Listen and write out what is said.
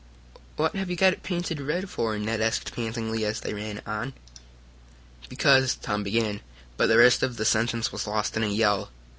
"What have you got it painted red for?" Ned asked pantingly, as they ran on. "Because " Tom began, but the rest of the sentence was lost in a yell.